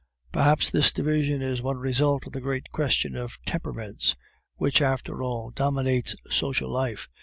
Perhaps this division is one result of the great question of temperaments; which, after all, dominates social life.